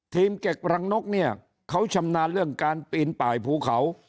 เก็บรังนกเนี่ยเขาชำนาญเรื่องการปีนป่ายภูเขา